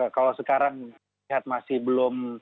kalau sekarang lihat masih belum